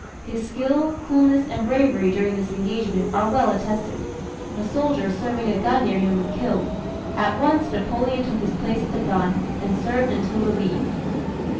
His skill, coolness, and bravery during this engagement are well attested. A soldier serving a gun near him was killed. At once Napoleon took his place at the gun, and served until relieved.